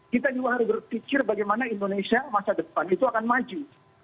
kita juga harus berpikir bagaimana indonesia masa depan itu akan maju